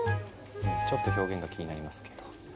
ちょっと表現が気になりますけど。